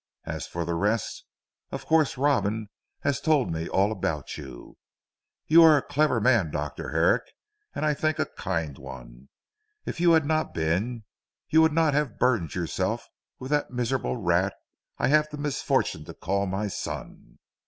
As for the rest, of course Robin has told me all about you. You are a clever man Dr. Herrick, and I think a kind one. If you had not been, you would not have burdened yourself with that miserable rat I have the misfortune to call my son.